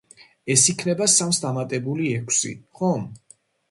ეს იქნება სამს დამატებული ექვსი, ხომ?